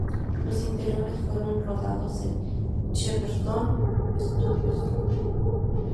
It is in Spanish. Los interiores fueron rodados en Shepperton Studios.